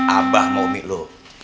abah mau umi lo